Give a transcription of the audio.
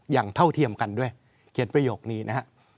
อย่างเท่าเขียนกันด้วยเขียนประโยคนี้นะคะ